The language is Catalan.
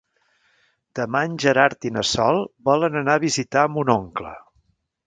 Demà en Gerard i na Sol volen anar a visitar mon oncle.